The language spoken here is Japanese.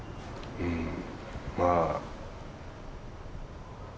うんまあ